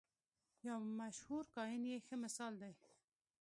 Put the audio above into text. یو مشهور کاهن یې ښه مثال دی.